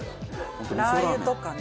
ラー油とかね